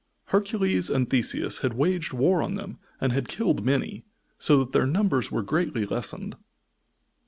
Hercules and Theseus had waged war on them and had killed many, so that their numbers were greatly lessened.